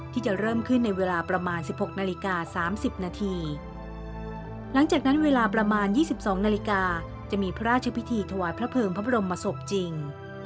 ที่จะเริ่มขึ้นในเวลาประมาณ๑๖นาฬิกา๓๐นาทีหลังจากนั้นเวลาประมาณ๒๒นาฬิกาจะมีพระราชพิธีถวายพระเภิงพระบรมศพจริง